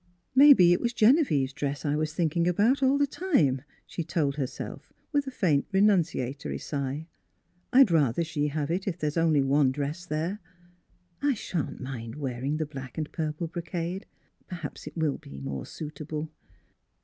" Maybe it was Genevieve's dress I was thinking about all the time," she told her self with a faint renunciatory sigh. " I'd rather she'd have it, if there's only one dress there. I shan't mind wearing the black and purple brocade; perhaps itil be more suitable."